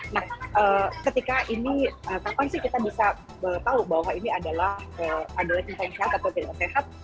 nah ketika ini kapan sih kita bisa tahu bahwa ini adalah tentang sehat atau tidak sehat